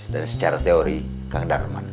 dan secara teori kang darman